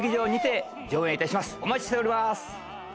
お待ちしております。